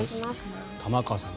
玉川さん